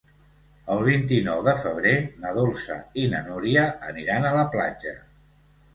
El vint-i-nou de febrer na Dolça i na Núria aniran a la platja.